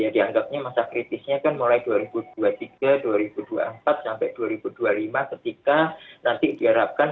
jadi anggapnya masa kritisnya kan mulai dua ribu dua puluh tiga dua ribu dua puluh empat sampai dua ribu dua puluh lima ketika nanti diarapkan